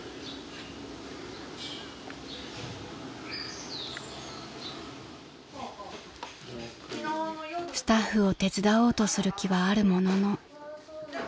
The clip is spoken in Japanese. ［スタッフを手伝おうとする気はあるものの］